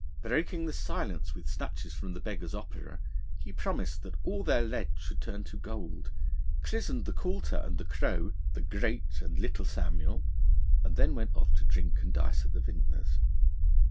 Breaking the silence with snatches from The Beggar's Opera, he promised that all their lead should turn to gold, christened the coulter and the crow the Great and Little Samuel, and then went off to drink and dice at the Vintner's.